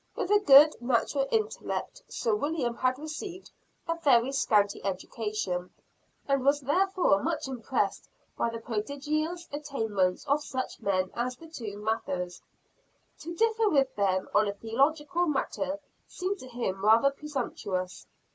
With a good natural intellect, Sir William had received a very scanty education; and was therefore much impressed by the prodigious attainments of such men as the two Mathers. To differ with them on a theological matter seemed to him rather presumptuous.